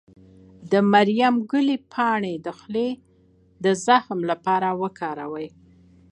د مریم ګلي پاڼې د خولې د زخم لپاره وکاروئ